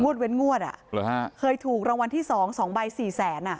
เว้นงวดอ่ะเหรอฮะเคยถูกรางวัลที่สองสองใบสี่แสนอ่ะ